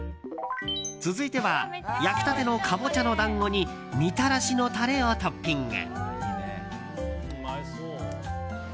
続いては焼きたてのカボチャの団子にみたらしのタレをトッピング。